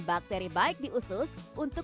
bakteri baik di usus untuk